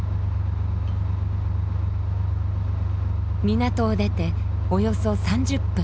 港を出ておよそ３０分。